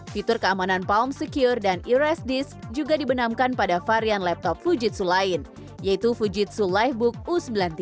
fitur keamanan palm secure dan eures disk juga dibenamkan pada varian laptop fujitsu lain yaitu fujitsu livebook u sembilan puluh tiga